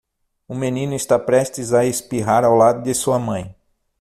Um menino está prestes a espirrar ao lado de sua mãe.